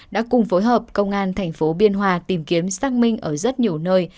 đã cùng phối hợp công an thành phố biên hòa tìm kiếm xác minh ở rất nhiều nơi